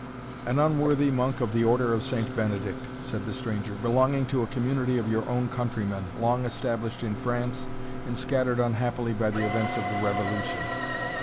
"An unworthy monk of the order of Saint Benedict," said the stranger, "belonging to a community of your own countrymen, long established in France, and scattered unhappily by the events of the Revolution."